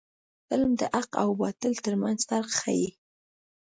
فلم د حق او باطل ترمنځ فرق ښيي